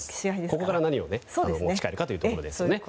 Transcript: ここから何を持ち帰るかということですよね。